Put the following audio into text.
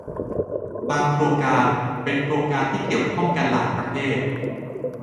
บางโครงการเป็นโครงการที่เกี่ยวข้องกันหลายประเทศ